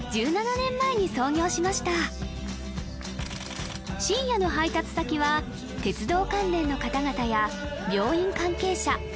１７年前に創業しました深夜の配達先は鉄道関連の方々や病院関係者